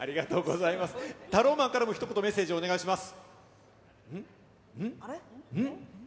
タローマンからもメッセージお願いします。